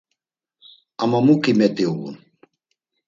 Ama mu ǩimet̆i uğun?